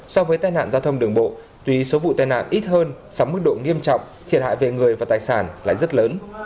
so với tai nạn giao thông đường bộ tuy số vụ tai nạn ít hơn song mức độ nghiêm trọng thiệt hại về người và tài sản lại rất lớn